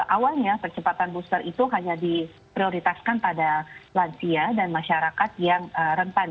awalnya percepatan booster itu hanya diprioritaskan pada lansia dan masyarakat yang rentan